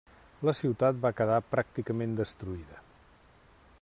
La ciutat va quedar pràcticament destruïda.